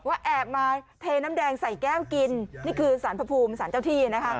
แอบมาเทน้ำแดงใส่แก้วกินนี่คือสารพระภูมิสารเจ้าที่นะคะ